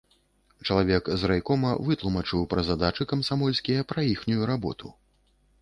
Чалавек з райкома вытлумачыў пра задачы камсамольскія, пра іхнюю работу.